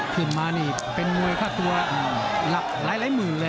ขึ้นมานี่เป็นมวยค่าตัวหลักหลายหมื่นเลย